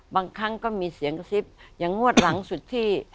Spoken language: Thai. บางครั้งก็มีเสียงกระซิบอย่างงวดหลังสุดที่